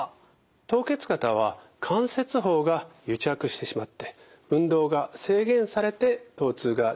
凍結肩は関節包が癒着してしまって運動が制限されてとう痛が出る疾患です。